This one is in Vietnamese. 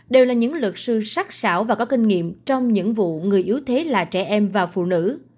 đều là những luật sư sắc xảo và có kinh nghiệm trong những vụ người yếu thế là trẻ em và phụ nữ